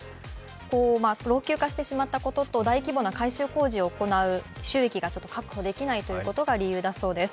老朽化してしまったことと、大規模な改修工事をするための収益がちょっと確保できないということが理由だそうです。